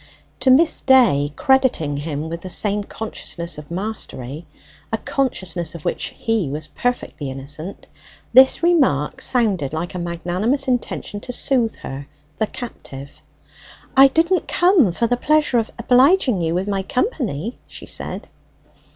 To Miss Day, crediting him with the same consciousness of mastery a consciousness of which he was perfectly innocent this remark sounded like a magnanimous intention to soothe her, the captive. "I didn't come for the pleasure of obliging you with my company," she said.